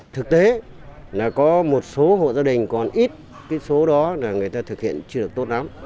thực tế là có một số hộ gia đình còn ít cái số đó là người ta thực hiện chưa được tốt lắm